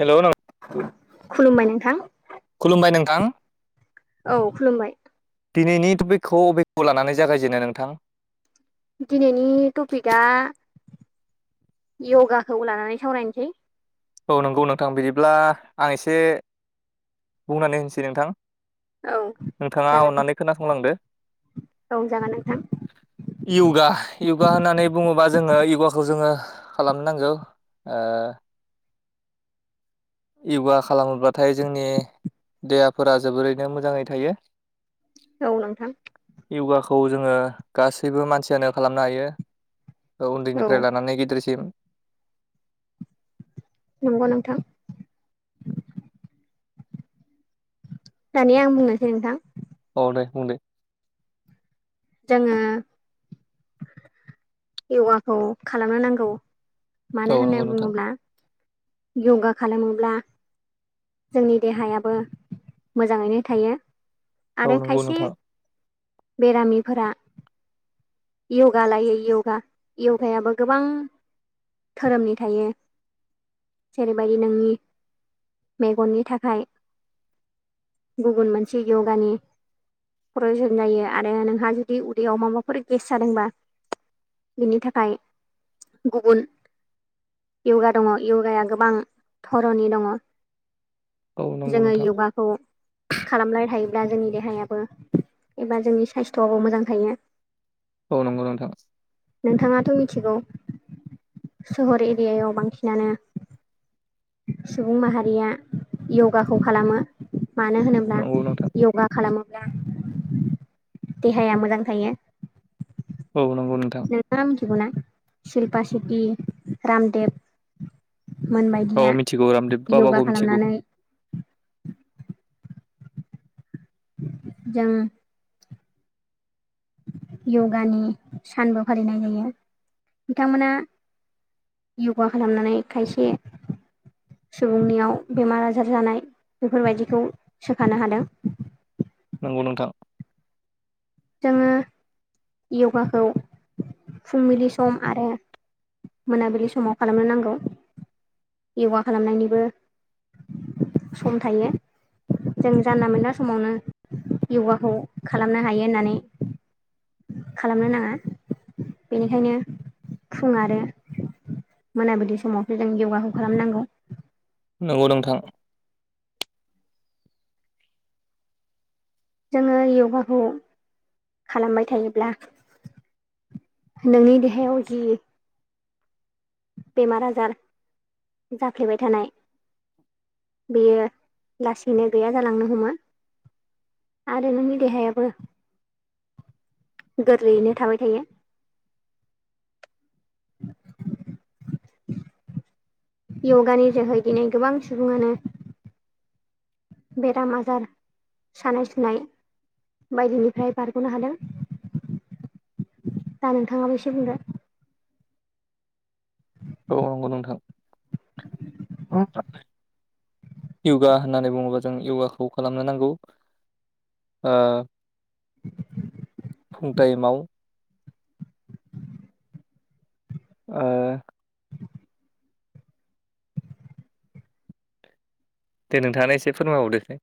Hello नों खुलुमबाय नोंथां खुलुमबाय नोंथां। औ खुलुमबाय दिनैनि टपिकखौ अबेखौ लानानै जागायजेनो नोंथां? दिनैनि टपिकआ यगाखौ लानानै सावरायनोसै औ नंगौ नोंथां बिदिब्ला आं एसे बुंनानै होनसै नोंथां औ नोंथाङा जागोन अन्नानै खोनासंलांदो औ जागोन नोंथां यगा योगा होननानै बुङोबा जोङो यगाखौ जोङो खालामनांगौ ओ यगा खालामोब्लाथाय जोंनि देहाफोरा जोबोरैनो मोजाङै थायो औ नोंथां यगाखौ जोङो गासैबो मानसियानो खालामनो हायो औ उन्दैनिफ्राय लानानै गिदिरसिम नंगौ नोंथां दानिया आं बुंनोसै नोंथां औ दे बुं दे जोङो यगाखौ खालामनो नांगौ औ मानो होनना नंगौ नोंथां बुङोब्ला यगा खालामोब्ला जोंनि देहायाबो मोजाङैनो थायो औ आरो नंगौ खायसे नोंथां बेरामिफोरा य'गा लायो य'गा य'गायाबो गोबां धोरोमनि थायो। जेरैबायदि नोंनि मेगननि थाखाय गुबुन मोनसे य'गानि प्रयजन जायो आरो नोंहा जुदि उदैयाव माबाफोर गेस जादोंबा बेनि थाखाय गुबुन य'गा दंङ य'गाया गोबां धरनि दंङ। औ नंगौ जोङो नोंथां य'गाखौ खालामलाय था ब्ला जोंनि देहायाबो एबा जोंनि साइस्थ'आबो मोजां थायो। औ नंगौ नोंथां। नोंथाङाथ' मिथिगौ सहर एरियायाव बांसिनानो सुबुं माहारिया य'गाखौ खालामो। मानो होनोब्ला नंगौ नोंथां य'गा खालामोब्ला देहाया मोजां थायो। औ नंगौ नोंथां। थिगौना सिल्पा सिथि रामदेब औ मोनबायदिया मिथिगौ रामदेब योगा बाबाखौ मिथिगौ खालामनानै जों य'गानि सानबो फालिनाय जायो बिथांमोना योगा खालामनानै खायसे सुबुंनियाव बेमार आजार जानाय बेफोरबायदिखौ सोखानो हादों। नंगौ नोंथां। जोङो य'गाखौ फुंबिलि सम आरो मोनाबिलि समाव खालामनो नांगौ। य'गा खालामनायनिबो सम थायो। जों जानला मोनला समावनो य'गाखौ खालामनो हायो होननानै खालामनो नांङा बेनिखायनो फुुं आरो मोनाबिलि समावसो जों य'गाखौ खालामनांगौ। नंगौ नोंथां। जोङो य'गाखौ खालामबाय थायोब्ला नोंनि देहायाव जि बेमार आजार जाफ्लेबाय थानाय बेयो लासैनो गैया जालांनो हमो। आरो नोंनि देहाया बो गोरलैयैनो थाबाय थायो। [inaudible] य'गानि जोहै दिनै गोबां सुबुंङानो बेराम आजार सानाय सुनाय बायदिनिफ्राय बारग'नो हादों। दा नोंथाङाब एसे बुंदो। औ नंगौ नोंथां। [unintelligible] योगा होननानै बुंङोबा जों योगाखौ खालामनो नांगौ। ओ फुं टाइमाव ओ दे नोंथांङानो एसे फोरमायबावदो दे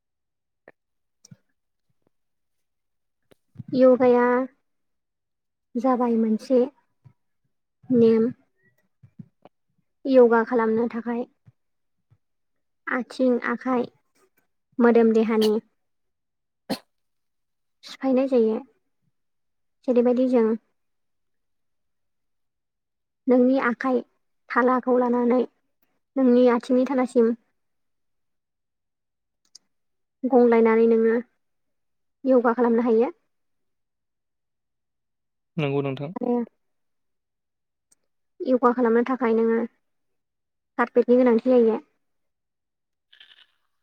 य'गाया जाबाय मोनसे नेम य'गा खालामनो थाखाय आथिं आखाइ मोदोम देहानि सिफायनाय जायो। जेरैबायदि जों नोंनि आखाइ थालाखौ लानानै नोंनि आथिंनि थालासिम गंलायनानै नोङो योगा खालामनो हायो। नंगौ नोंथां। आरो यगा खालामनो थाखाय नोङो कारफेटनि गोनांथि जायो। [inaudible]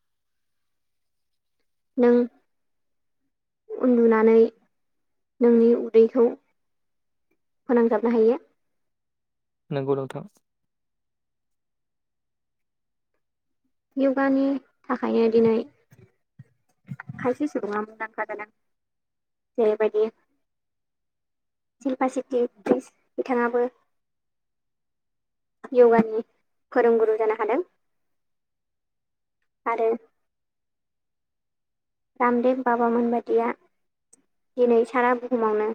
नों उन्दुनानै नोंनि उदैखौ फोनांजाबनो हायो। नोंगौ नोंथां। यगानि थाखायनो दिनै खायसे सुबुङा मुंदांखा गोनां जेरैबायदि सिल्पासेत्रि एकट्रिस बिथाङाबो यगानि फोरोंगुरु जानो हादों। आरो रामदेब बाबामोन बादिया दिनै सारा बुहुमावनो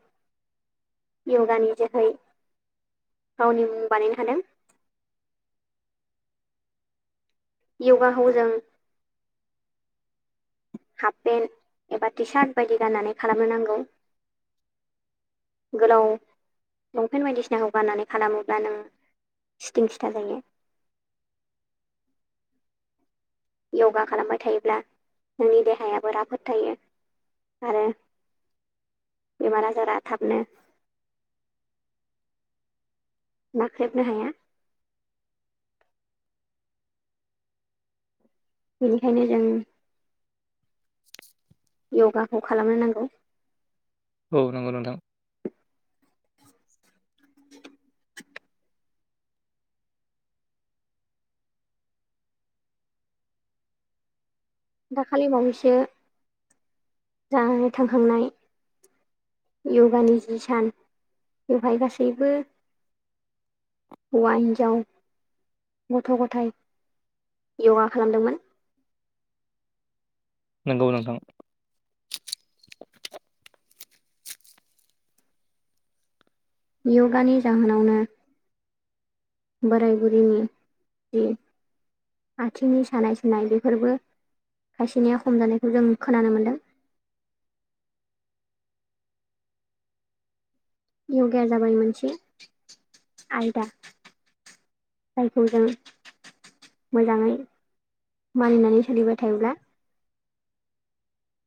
यगानि जोहै गावनि मुं बानायनो हादों। यगाखौ जों हाफ पेन्ट एबा टि सार्ट बायदि गाननानै खालामनो नांगौ। गोलाव लंपेन्ट बायदिसिनाखौ गाननानै खालामोब्ला नों सिथिं सिथा जायो। [inaudible] यगा खालामबाय थायोब्ला नोंनि देहायाबो राफोद थायो। आरो बेमार आजारा थाबनो नाख्रेबनो हाया। बेनिखायनो जों [inaudible] य'गाखौ खालामनो नांगौ। औ नंगौ नोंथां। दाखालि बावैसो जानानै थांखांनाय यगानि जि सान बेवहाय गासैबो हौवा हिनजाव गथ' गथाइ यगा खालामदोंमोन। नंगौ नोंथां। यगानि जाहोनावनो बोराय बुरिनि जे आथिंनि सानाय सुनाय बेफोरबो खायसेनिया खम जानायखौ जों खोनानो मोनदों। [inaudible] य'गाया जाबाय मोनसे आयदा। जायखौ जों मोजाङै मानिनानै सोलिबाय थायोब्ला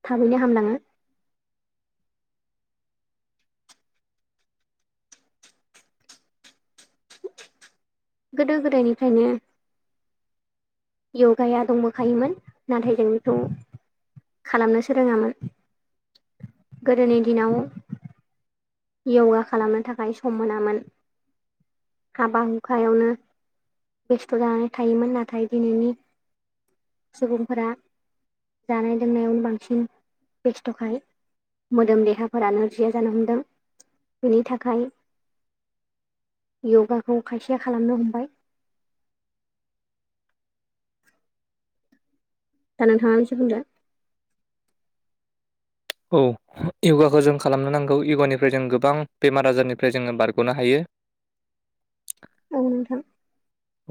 थाबैनो हामलाङो। गोदो गोदायनिफ्रायनो य'गाया दंबोखायोमोन नाथाय जों बेखौ खालामनोसो रोङामोन। गोदोनि दिनाव यगा खालामनो थाखाय सम मोनामोन। हाबा हुखायावनो बेस्थ' जानानै थायोमोन नाथाय दिनैनि सुबुंफोरा जानाय लोंनायावनो बांसिन बेस्थ'खाय मोदोम देहाफोरा नोरजिया जानो हमदों बेनि थाखाय य'गाखौ खायसेया खालामनो हमबाय। दा नोंथाङा एसे बुंदो औ य'गाखौ जों खालामनो नांगौ य'गानिफ्राय जों गोबां बेमार आजारनिफ्राय जोङो बारग'नो हायो। [inaudible] औ नोंथां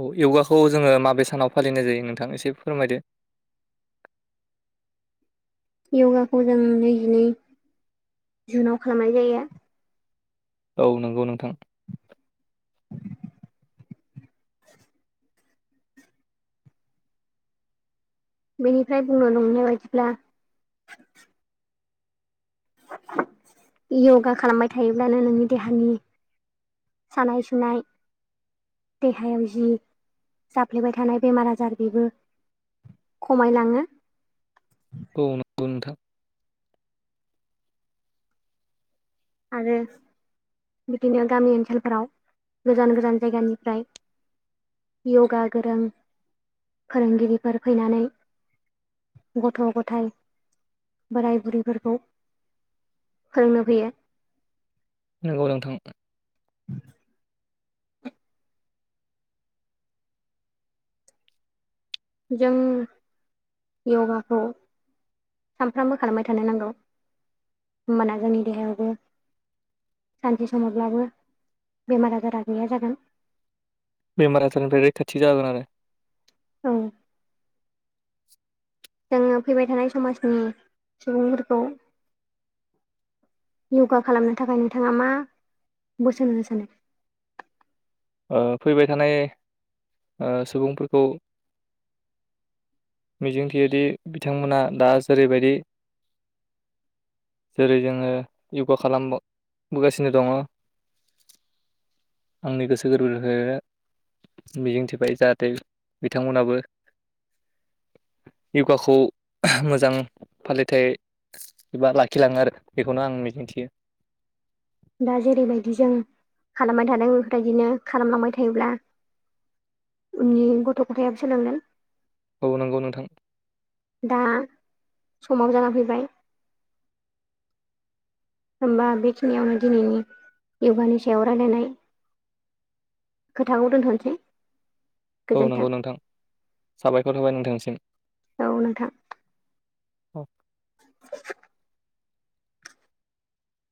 औ य'गाखौ जोङो माबे सानाव फालिनाय जायो नोंथां एसे फोरमायदो। [inaudible] य'गाखौ जों नैजिनै जुनाव खालामनाय जायो। औ नंगौ नोंथां बेनिफ्राय बुंनो नंनाय बायदिब्ला य'गा खालामबाय थायोब्लानो नोंनि देहानि सानाय सुनाय देहायाव जि जाफ्लेबाय थानाय बेमार आजार बेबो खमायलाङो। औ नंगौ नोंथां। आरोे बिदिनो गामि ओनसोलफोराव गोजान गोजान जायगानिफ्राय य'गा गोरों फोरोंगिरिफोर फैनानै गथ' गथाय बोराय बुरैफोरखौ फोरोंनो फैयो। नंगौ नोंथां [inaudible] जों य'गाखौ सानफ्रामबो खालामबाय थानो नांगौ होमबाना जोंनि देहायावबो सानसे समावब्लाबो बेमार आजारा गैया जागोन। बेमार आजारनिफ्राय रैखाथि जाागोन आरो। औ जोङो फैबाय थानाय समाजनि सुबुंफोरखौ य'गा खालामनो थाखाय नोंथाङा मा बोसोन होनो सानो? [inaudible] ओ फैबाय थानाय ओ सुबुंफोरखौ मिजिंथियोदि बिथांमोना दा जेरैबायदि जेरै जोङो यगा खालामबोगासिनो दङ आंनि गोसो गोर्बो जो मिजिं थिबाय जाहाथे बिथांमोनहाबो यगाखौ मोजां फालिथाय एबा लाखिलाङो आरो बेखौनो आं मिजिंथियो। दा जेरैबायदि जों खालामबाय थादों बेफोरबायदिनो खालामलांबाय थायोब्ला उननि गथ' गथायाबो सोलोंगोन औ नोंगौ नोंथां। दा समाबो जाना फैबाय होमबा बेखिनियावनो दिनैनि य'गानि सायाव रायलायनाय। खोथाखौ दोनथ'नोसै। औ गोजोन्थों नंगौ नोंथां साबायखर थाबाय नोंथांसिम। औ नोंथां। औ [unintelligible]